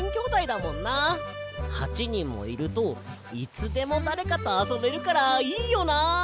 ８にんもいるといつでもだれかとあそべるからいいよな。